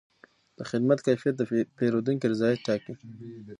د خدمت کیفیت د پیرودونکي رضایت ټاکي.